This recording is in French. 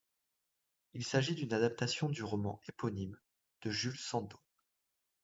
Il s'agit d'une adaptation du roman éponyme de Jules Sandeau.